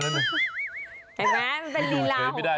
เห็นไหมมันเป็นลีลาของเธอ